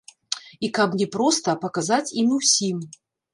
І каб не проста, а паказаць ім усім.